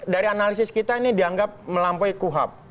dari analisis kita ini dianggap melampaui kuhap